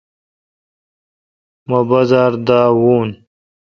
مہ بازار دا داوین۔